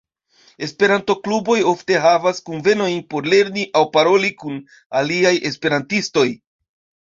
Esperanto-kluboj ofte havas kunvenojn por lerni aŭ paroli kun aliaj esperantistoj.